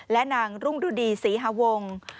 และนางรุ่งฤดีศรีฮวง